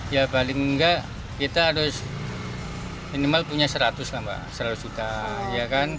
ya paling enggak kita harus minimal punya seratus lah mbak seratus juta ya kan